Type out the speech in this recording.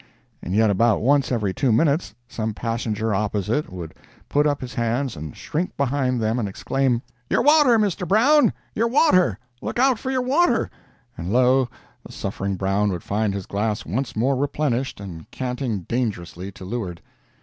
And yet about once every two minutes some passenger opposite would put up his hands and shrink behind them and exclaim, "Your water, Mr. Brown! your water! Look out for your water!" and lo, the suffering Brown would find his glass once more replenished and canting dangerously to leeward.